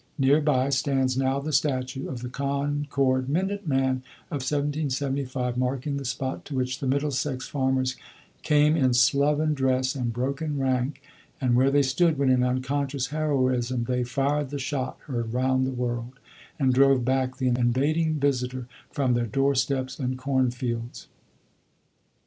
Near by stands now the statue of the Concord Minute Man of 1775, marking the spot to which the Middlesex farmers came "In sloven dress and broken rank," and where they stood when in unconscious heroism they "Fired the shot heard round the world," and drove back the invading visitor from their doorsteps and cornfields.